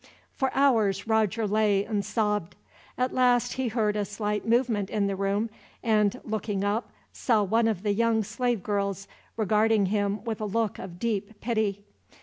For hours Roger lay and sobbed. At last he heard a slight movement in the room and, looking up, saw one of the young slave girls regarding him with a look of deep pity.